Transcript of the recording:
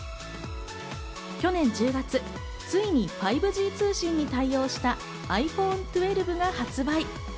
去年１０月、ついに５Ｇ通信に対応したｉＰｈｏｎｅ１２が発売。